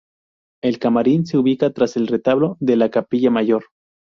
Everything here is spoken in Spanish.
El camarín se ubica tras el retablo de la capilla mayor.